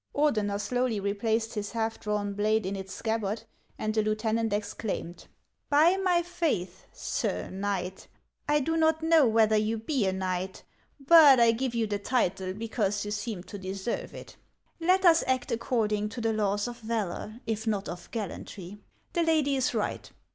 Ordener slowly replaced his half drawn blade in its scabbard, and the lieutenant exclaimed,— " By my faith, Sir Knight, — I do not know whether you be a knight, but I give you the title because you seem to deserve it, — let us act according to the laws of valor, if not of gallantry. The lady is right.